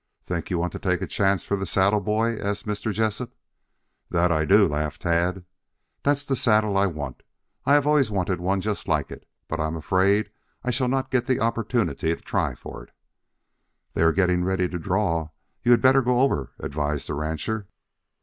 "Think you want to take a chance for the saddle, boy?" asked Mr. Jessup. "That I do," laughed Tad. "That's the saddle I want I always have wanted one just like it. But I'm afraid I shall not get the opportunity to try for it." "They are getting ready to draw. You had better go over," advised the rancher.